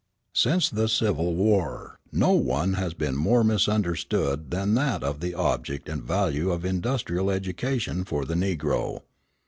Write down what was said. Since the Civil War, no one object has been more misunderstood than that of the object and value of industrial education for the Negro.